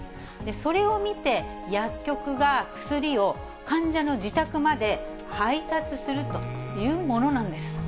それを見て、薬局が薬を患者の自宅まで配達するというものなんです。